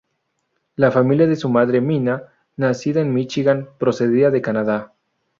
Los familia de su madre, Mina, nacida en Michigan, procedía de Canadá.